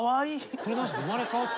これ生まれ変わって。